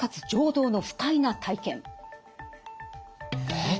えっ？